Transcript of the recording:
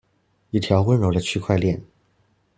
一條溫柔的區塊鍊